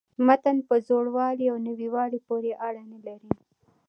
متن په زوړوالي او نویوالي پوري اړه نه لري.